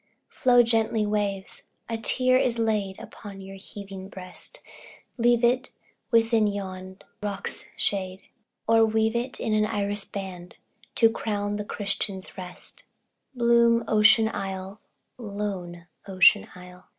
Flow gently, waves! a tear is laid Upon your heaving breast; Leave it within yon dark rock's shade Or weave it in an iris braid, To crown the Christian's rest Bloom, ocean isle, lone ocean isle!